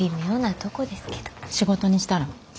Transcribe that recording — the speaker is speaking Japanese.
仕事にしたら？